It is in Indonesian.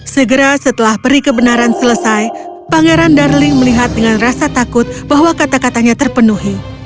segera setelah peri kebenaran selesai pangeran darling melihat dengan rasa takut bahwa kata katanya terpenuhi